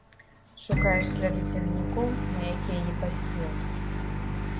Шукаеш сляды цягнікоў, на якія не паспеў.